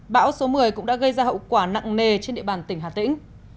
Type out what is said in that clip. bão số một mươi cũng đã gây ra hậu quả nặng nề trên địa bàn tỉnh hà tĩnh